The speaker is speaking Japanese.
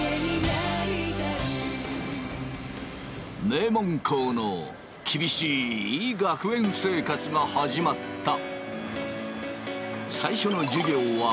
名門校の厳しい学園生活が始まった。